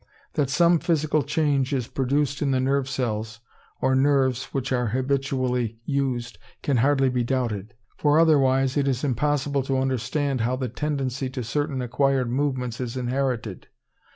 That some physical change is produced in the nerve cells or nerves which are habitually used can hardly be doubted, for otherwise it is impossible to understand how the tendency to certain acquired movements is inherited.